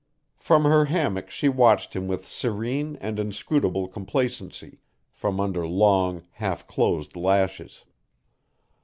From her hammock she watched him with serene and inscrutable complacency, from under long, half closed lashes.